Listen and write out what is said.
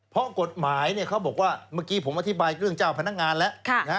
เพราะกฎหมายเขาบอกว่าเมื่อกี้ผมอธิบายเรื่องเจ้าพนักงานแล้ว